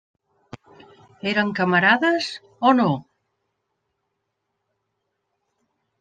Eren camarades o no?